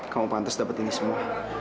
kamu pantas dapat ini semua